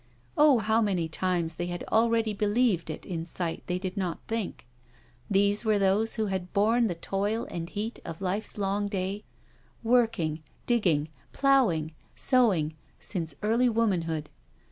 Of how many times they had already believed it in sight they did not think. These were those who bad borne the toil and heat of life's THE PASSING OF THE WOMEN 319 long day — ^working, diggii)g> ploughing, sowing, since early womanhood.